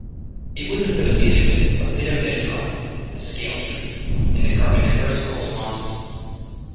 It was associated with "Lepidodendron", the scale tree, in the Carboniferous coal swamps.